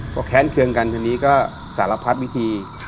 พอแค้นเครื่องกันทีนี้ก็สารพัดวิธี